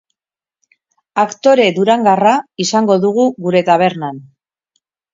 Aktore durangarra izango dugu gure tabernan.